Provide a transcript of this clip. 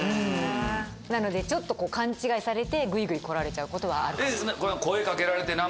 なのでちょっと勘違いされてグイグイ来られちゃうことはあるかもしれない。